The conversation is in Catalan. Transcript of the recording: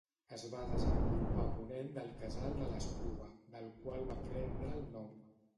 Es va desenvolupar a ponent del Casal de l'Espluga, del qual va prendre el nom.